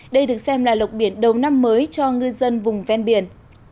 đây được xem là lộc biển đầu năm mới cho ngư dân vùng ven biển